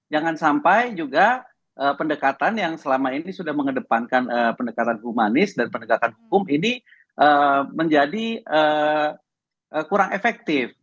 jangan sampai juga pendekatan yang selama ini sudah mengedepankan pendekatan humanis dan penegakan hukum ini menjadi kurang efektif